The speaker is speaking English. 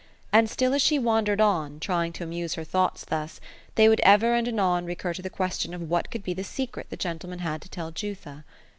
And still as she wandered on, trying to amuse her thoughts thus, they would ever and anon recur to the question of what could be the secret the gentleman had to tell Jutha.